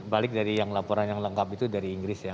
balik dari yang laporan yang lengkap itu dari inggris ya